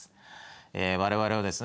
え我々はですね